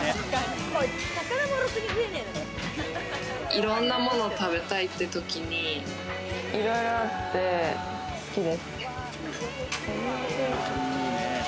いろんなもの食べたいって時に、いろいろあって好きです。